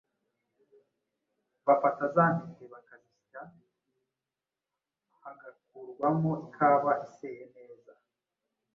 bafata za ntete bakazisya hagakurwamo ikawa iseye neza